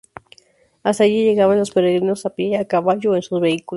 Hasta allí llegaban los peregrinos a pie, a caballo o en sus vehículos.